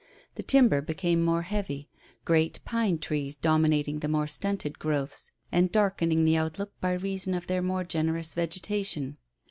The timber became more heavy, great pine trees dominating the more stunted growths, and darkening the outlook by reason of their more generous vegetation.